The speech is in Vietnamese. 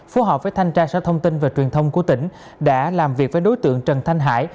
phối hợp với thanh tra sở thông tin và truyền thông của tỉnh đã làm việc với đối tượng trần thanh hải